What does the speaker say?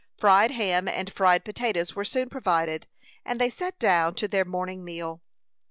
Fried ham and fried potatoes were soon provided, and they sat down to their morning meal.